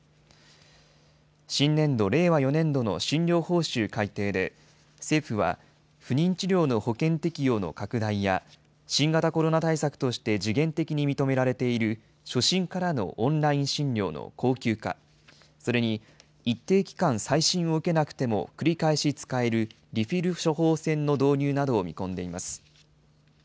新年度・令和４年度の診療報酬改定で、政府は不妊治療の保険適用の拡大や、新型コロナ対策として時限的に認められている初診からのオンライン診療の恒久化、それに一定期間、再診を受けなくても繰り返し使えるリフィル処方箋の導入などを見込んでいます。